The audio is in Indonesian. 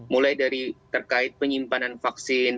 mulai dari terkait penyimpanan vaksin